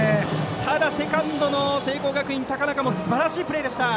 ただセカンドの聖光学院の高中もすばらしいプレーでした。